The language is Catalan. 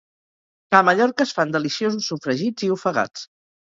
A Mallorca es fan deliciosos sofregits i ofegats